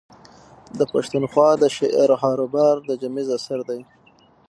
د پښتونخوا د شعرهاروبهار د جيمز اثر دﺉ.